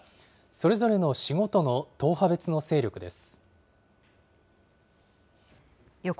それぞれの市ごとの党派別の勢力です。